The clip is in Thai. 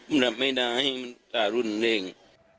มันรับไม่ได้มันต่ารุ่นเอง